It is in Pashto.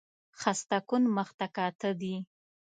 خسته کن مخ ته کاته دي